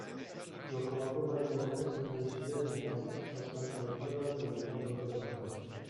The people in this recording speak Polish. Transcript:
"Lokomotywa i wagony zmieniły się w jedną masę strzaskanego drzewa i pogiętego żelaza."